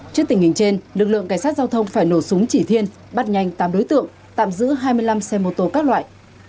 trước tình hình trên lực lượng cảnh sát giao thông phải nổ súng chỉ thiên bắt nhanh tám đối tượng tạm giữ hai mươi năm xe mô tô các loại